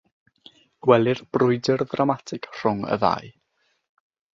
Gwelir brwydr ddramatig rhwng y ddau.